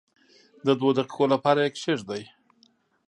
د دوو دقیقو لپاره یې کښېږدئ.